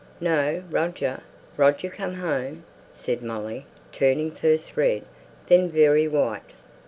"No! Roger! Roger come home!" said Molly, turning first red, then very white.